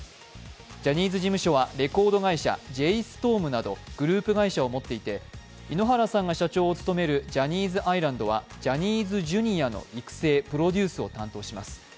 ジャニーズ事務所は、レコード会社ジェイ・ストームなどグループ会社を持っていて、井ノ原さんが社長を務めるジャニーズアイランドはジャニーズＪｒ．の育成、プロデュースを担当します。